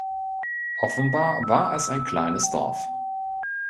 Offenbar war es ein kleines Dorf.